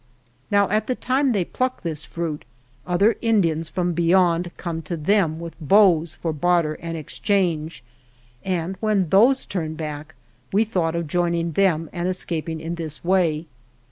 Now, at the time they pluck this fruit, other Indians from beyond come to them with bows for barter and exchange, and when those turn back we thought of joining them and escaping in this way.